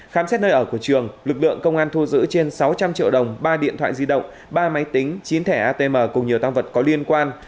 khám xét nơi ở của trường lực lượng công an thu giữ trên sáu trăm linh triệu đồng ba điện thoại di động ba máy tính chín thẻ atm cùng nhiều tăng vật có liên quan